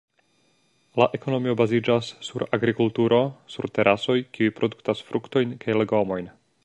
La ekonomio baziĝas sur agrikulturo sur terasoj kiuj produktas fruktojn kaj legomojn.